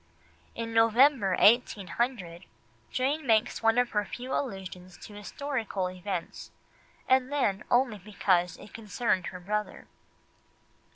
In November 1800, Jane makes one of her few allusions to historical events, and then only because it concerned her brother.